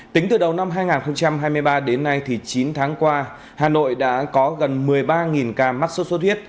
tính từ đầu năm hai nghìn hai mươi ba đến nay thì chín tháng qua hà nội đã có gần một mươi ba ca mắc sốt xuất huyết